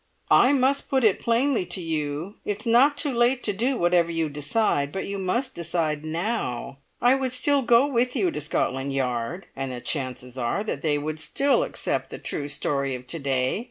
"I must put it plainly to you. It's not too late to do whatever you decide, but you must decide now. I would still go with you to Scotland Yard, and the chances are that they would still accept the true story of to day.